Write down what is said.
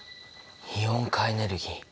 イオン化エネルギー？